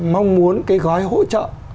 mong muốn cái gói hỗ trợ